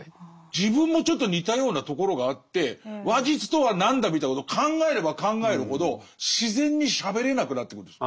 自分もちょっと似たようなところがあって話術とは何だみたいなことを考えれば考えるほど自然にしゃべれなくなってくるんです。